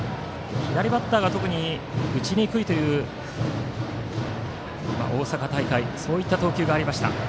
左バッターが特に打ちにくいという大阪大会での投球がありました。